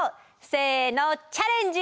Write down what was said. せの「チャレンジ！」。